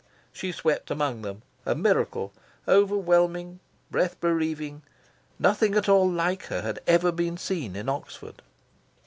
She swept among them, a miracle, overwhelming, breath bereaving. Nothing at all like her had ever been seen in Oxford.